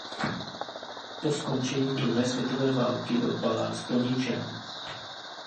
Po skončení druhé světové války byl palác poničen.